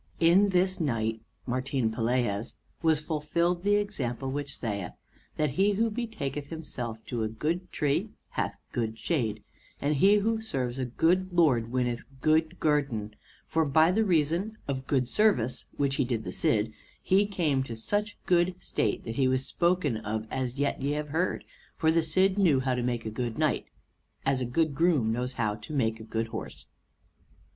In this knight Martin Pelaez was fulfilled the example which saith, that he who betaketh himself to a good tree, hath good shade, and he who serves a good lord winneth good guerdon; for by reason of the good service which he did the Cid, he came to such good state that he was spoken of as ye have heard: for the Cid knew how to make a good knight, as a good groom knows how to make a good horse.